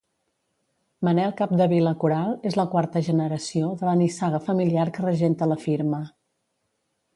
Manel Capdevila Coral és la quarta generació de la nissaga familiar que regenta la firma.